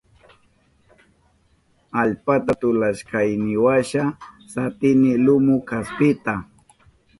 Allpata tulashkayniwasha satini lumu kaspita.